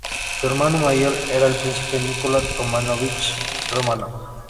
Su hermano mayor era el príncipe Nicolás Románovich Románov.